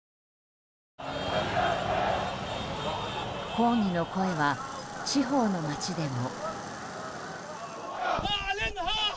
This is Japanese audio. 抗議の声は地方の街でも。